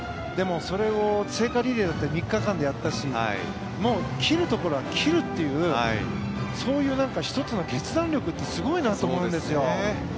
でもそれを聖火リレーだって３日間でやったしもう切るところは切るっていうそういう１つの決断力ってすごいなと思うんですよ。